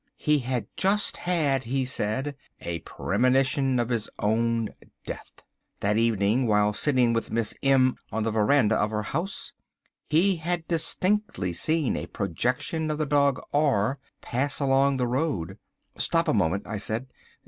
He had just had, he said, a premonition of his own death. That evening, while sitting with Miss M on the verandah of her house, he had distinctly seen a projection of the dog R pass along the road." "Stop a moment," I said.